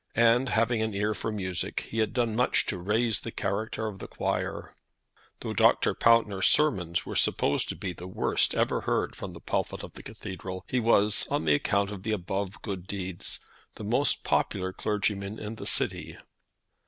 And, having an ear for music, he had done much to raise the character of the choir. Though Dr. Pountner's sermons were supposed to be the worst ever heard from the pulpit of the Cathedral, he was, on account of the above good deeds, the most popular clergyman in the city.